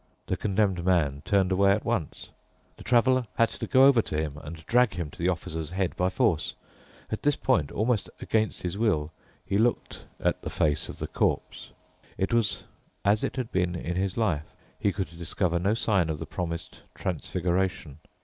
The Condemned Man turned away at once. The Traveler had to go over to him and drag him to the Officer's head by force. At this point, almost against his will, he looked at the face of the corpse. It was as it had been in his life. He could discover no sign of the promised transfiguration.